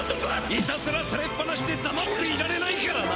いたずらされっ放しでだまっていられないからな！